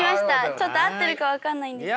ちょっと合ってるか分かんないんですけど。